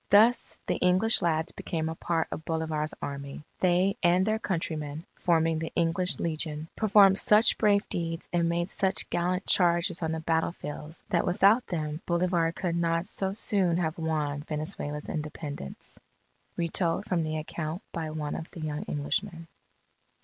Thus the English lads became a part of Bolivar's Army. They and their countrymen, forming the English Legion, performed such brave deeds and made such gallant charges on the battle fields, that without them Bolivar could not so soon have won Venezuela's Independence. _Retold from the account by one of the young Englishmen.